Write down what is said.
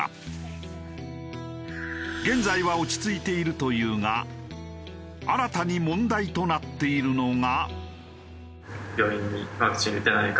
現在は落ち着いているというが新たに問題となっているのが。